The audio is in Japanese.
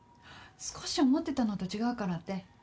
少し思ってたのと違うからって。